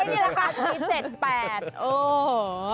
นี่แหละค่ะมี๗๘โอ้โห